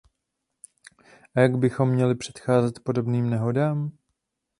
A jak bychom měli předcházet podobným nehodám?